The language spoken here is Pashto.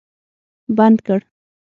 بند کړ